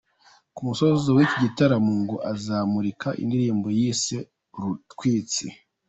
Ku musozo w’iki gitaramo, ngo azamurika indirimbo yise ‘Rutwitsi’.